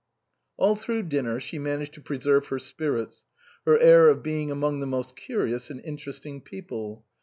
All through dinner she managed to preserve her spirits, her air of being among the most curious and interesting people.